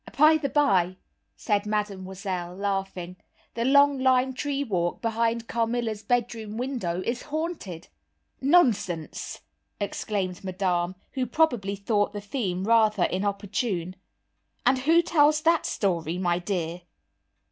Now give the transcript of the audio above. "By the by," said Mademoiselle, laughing, "the long lime tree walk, behind Carmilla's bedroom window, is haunted!" "Nonsense!" exclaimed Madame, who probably thought the theme rather inopportune, "and who tells that story, my dear?"